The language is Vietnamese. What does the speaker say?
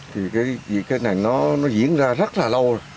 thì cái này nó diễn ra rất là lâu rồi